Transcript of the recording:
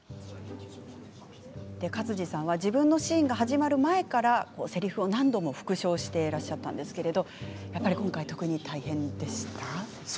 勝地さんは自分のシーンが始まる前からせりふを何度も復唱していたんですが今回は特に大変でしたか？